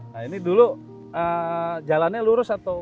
nah ini dulu jalannya lurus atau